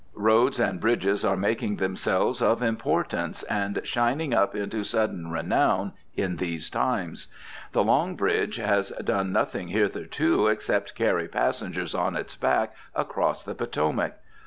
Roads and bridges are making themselves of importance and shining up into sudden renown in these times. The Long Bridge has done nothing hitherto except carry passengers on its back across the Potomac.